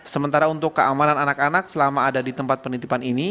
sementara untuk keamanan anak anak selama ada di tempat penitipan ini